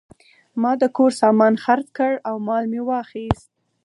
ما د کور سامان خرڅ کړ او مال مې واخیست.